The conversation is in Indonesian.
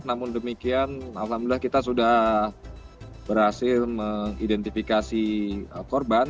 namun demikian alhamdulillah kita sudah berhasil mengidentifikasi korban